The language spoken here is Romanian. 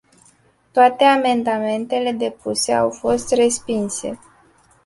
Toate amendamentele depuse au fost respinse.